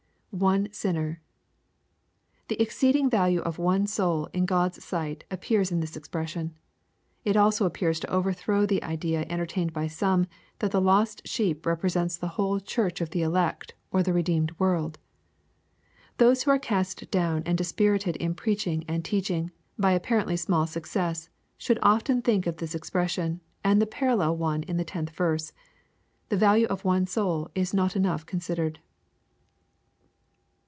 [One sinner^ The exceeding value of one soul, in God's sight, appears in this expression. It also appeara to overthrow the idea entertained by some, that the lost sheep represents the whole church of the elect, or the redeemed world. Those who are cast down and dispirited in preaching and teach ing, by apparently small success, should often think of this expres sion, and the parallel one in the 10th verse. The value of one soul is not enough considered.